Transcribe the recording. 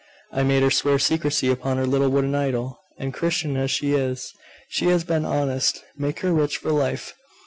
I made her swear secrecy upon her little wooden idol, and, Christian as she is, she has been honest. Make her rich for life.